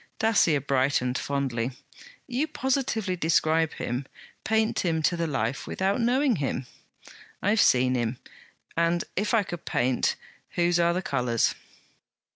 Dacier brightened fondly. 'You positively describe him; paint him to the life, without knowing him!' 'I have seen him; and if I paint, whose are the colours?'